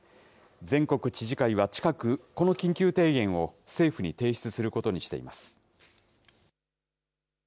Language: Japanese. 全国知事会は近く、この緊急提言を政府に提出することにしています。